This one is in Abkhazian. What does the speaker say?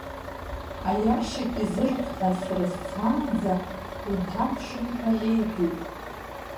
Аиашьыкь изырхәҳаз сара сцаанӡа уҭамԥшын ҳәа иеиҳәеит.